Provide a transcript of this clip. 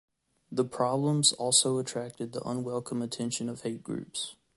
The problems also attracted the unwelcome attention of hate groups.